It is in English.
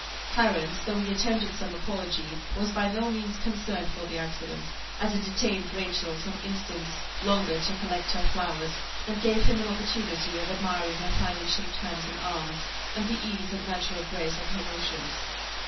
Clarence, though he attempted some apology, was by no means concerned for the accident, as it detained Rachel some instants longer to collect her flowers, and gave him an opportunity of admiring her finely shaped hands and arms, and the ease and natural grace of her motions.